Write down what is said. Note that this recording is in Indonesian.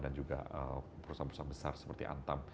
dan juga perusahaan perusahaan besar seperti antam